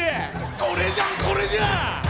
これじゃん、これじゃん。